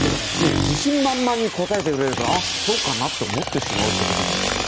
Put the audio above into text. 自信満々に答えてくれるからそうかなと思ってしまうということですよ。